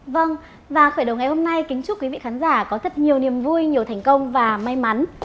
vâng và khởi đầu ngày hôm nay kính chúc quý vị khán giả có thật nhiều niềm vui nhiều thành công và may mắn